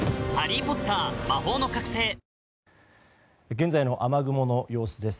現在の雨雲の様子です。